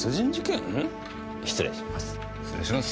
失礼します。